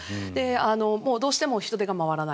どうしても人手が回らない。